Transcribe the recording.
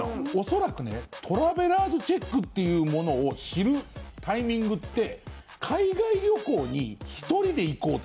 恐らくねトラベラーズチェックっていうものを知るタイミングって。